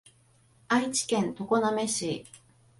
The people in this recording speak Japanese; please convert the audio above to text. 愛知県常滑市